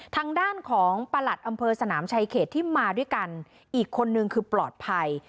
ทางด้านของประหลัดอำเภอสนามชายเขตที่มาด้วยกันอีกคนนึงคือปลอดภัย